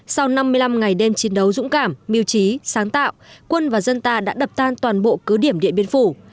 sau năm mươi năm ngày đêm chiến đấu dũng cảm miêu trí sáng tạo quân và dân ta đã đập tan toàn bộ cứ điểm điện biên phủ